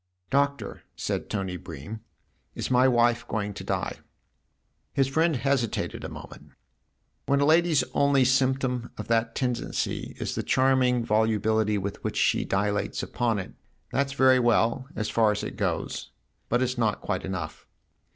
" Doctor," said Tony Bream, " is my wife going to die ?" His friend hesitated a moment. " When a lady's THE OTHER HOUSE 29 only symptom of that tendency is the charming volubility with which she dilates upon it, that's very well as far as it goes. But it's not quite enough."